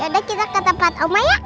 udah kita ke tempat oma ya